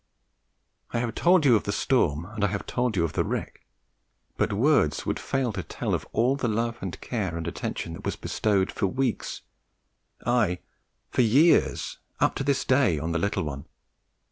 I have told you of the storm, and I have told you of the wreck; but words would fail to tell of all the love and care and attention that was bestowed for weeks aye! for years, up to this day on the little one.